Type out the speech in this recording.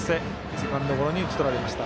セカンドゴロに打ち取られました。